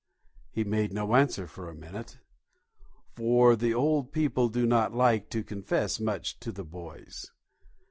He made no answer for a minute, for the old people do not like to confess much to the boys.